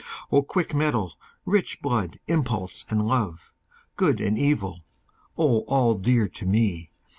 O quick mettle, rich blood, impulse, and love! Good and evil! O all dear to me!